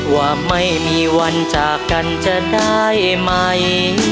ว่าไม่มีวันจากกันจะได้ไหม